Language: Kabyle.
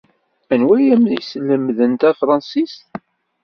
Anwa ay am-yeslemden tafṛensist?